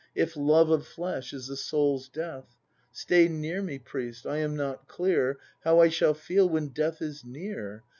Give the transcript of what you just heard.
If love of flesh is the soul's death ?— Stay near me, priest! — I am not clear How I shall feel when death is near.